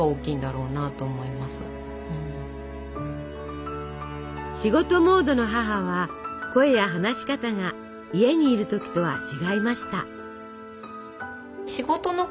どんな仕事でもいいから仕事モードの母は声や話し方が家にいる時とは違いました。